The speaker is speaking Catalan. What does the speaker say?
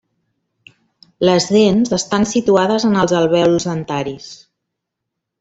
Les dents estan situades en els alvèols dentaris.